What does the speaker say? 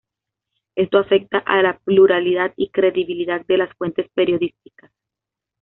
Esto afecta a la pluralidad y credibilidad de las fuentes periodísticas.